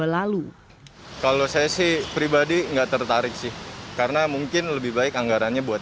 dua ribu dua puluh dua lalu kalau saya sih pribadi enggak tertarik sih karena mungkin lebih baik anggarannya buat